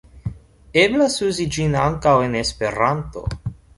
Eblas uzi ĝin ankaŭ en Esperanto.